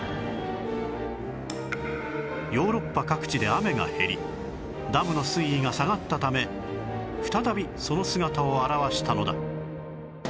ヨーロッパ各地で雨が減りダムの水位が下がったため再びその姿を現したのだ